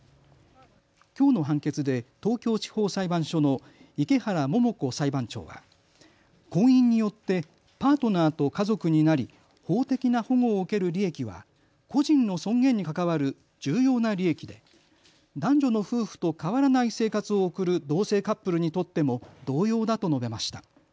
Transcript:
きょうの判決で東京地方裁判所の池原桃子裁判長は婚姻によってパートナーと家族になり、法的な保護を受ける利益は個人の尊厳に関わる重要な利益で男女の夫婦と変わらない生活を送る同性カップルにとっても同様だと述べました。